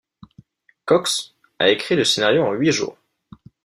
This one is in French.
Cox a écrit le scénario en huit jours.